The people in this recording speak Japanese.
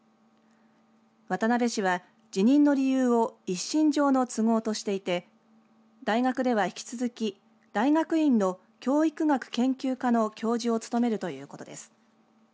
渡部氏は辞任の理由を一身上の都合としていて大学では引き続き大学院の教育学研究科の教授と務めるということです。